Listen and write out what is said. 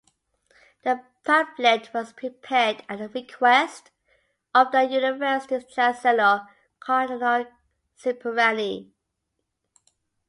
The pamphlet was prepared at the request of the university's chancellor, Cardinal Cipriani.